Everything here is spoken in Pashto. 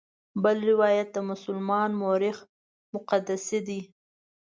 بل روایت د مسلمان مورخ مقدسي دی.